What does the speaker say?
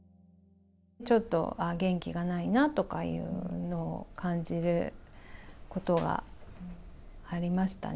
ちょっと元気がないなというのを感じることがありましたね。